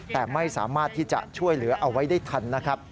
แต่ไม่สามารถที่จะช่วยเหลือเอาไว้ได้ทันนะครับ